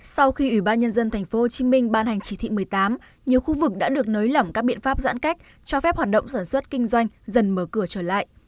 sau khi ủy ban nhân dân tp hcm ban hành chỉ thị một mươi tám nhiều khu vực đã được nới lỏng các biện pháp giãn cách cho phép hoạt động sản xuất kinh doanh dần mở cửa trở lại